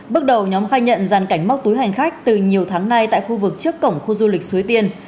bước đầu nhóm khai nhận giàn cảnh móc túi hành khách từ nhiều tháng nay tại khu vực trước cổng khu du lịch suối tiên